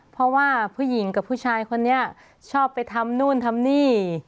เพราะว่าผู้หญิงกับผู้ชายคนนี้ชอบไปทำนู่นทำนี่